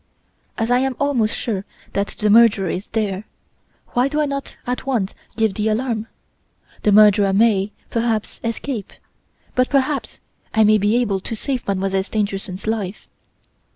"As I am almost sure that the murderer is there, why do I not at once give the alarm? The murderer may, perhaps, escape; but, perhaps, I may be able to save Mademoiselle Stangerson's life.